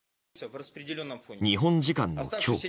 日本時間の今日